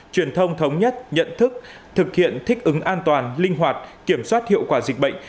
truyền thông thống nhất nhận thức thực hiện thích ứng an toàn linh hoạt kiểm soát hiệu quả dịch bệnh